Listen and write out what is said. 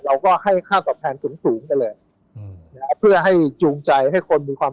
เราก็ให้ค่าตอบแพนสูงเลยเพื่อให้จูงใจให้คนมีความ